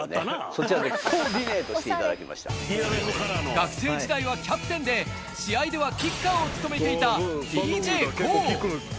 学生時代はキャプテンで、試合ではキッカーを務めていたＤＪＫＯＯ。